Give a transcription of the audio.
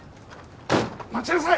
待ちなさい！